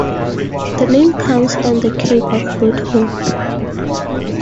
The name comes from the Cape of Good Hope.